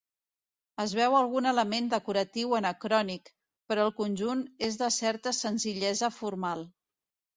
Es veu algun element decoratiu anacrònic, però el conjunt és de certa senzillesa formal.